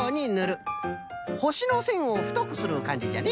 ほしのせんをふとくするかんじじゃね。